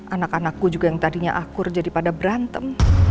anak anakku juga yang tadinya akur jadi pada berantem